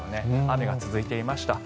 雨が続いていました。